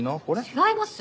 違います。